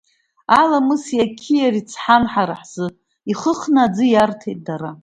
Аламыси ақьиареи цҳан ҳара ҳзы, ихыхны аӡы иарҭеит дара!